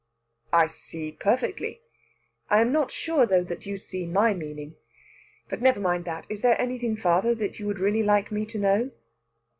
"I see perfectly. I am not sure, though, that you see my meaning. But never mind that. Is there anything further you would really like me to know?"